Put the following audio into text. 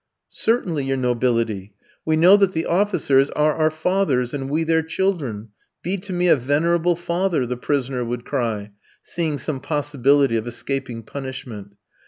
"Certainly, your nobility. We know that the officers are our fathers and we their children. Be to me a venerable father," the prisoner would cry, seeing some possibility of escaping punishment.